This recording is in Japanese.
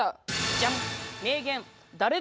ジャン！